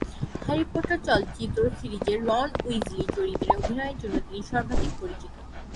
Harry Potter চলচ্চিত্র সিরিজে Ron Weasley চরিত্রে অভিনয়ের জন্য তিনি সর্বাধিক পরিচিত।